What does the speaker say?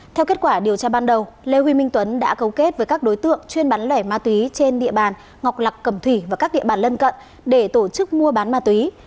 theo kết quả điều tra ban đầu lê huy minh tuấn đã cấu kết với các đối tượng chuyên bán lẻ ma túy trên địa bàn ngọc lạc cẩm thủy và các địa bàn lân cận để tổ chức mua bán ma túy